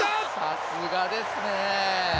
さすがですね